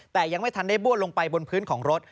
แต่ยังไม่ทันได้บ้วนลงไปบนพื้นของรถ